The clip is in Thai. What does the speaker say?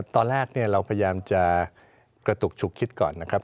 ตอนแรกเราพยายามจะกระตุกฉุกคิดก่อนนะครับ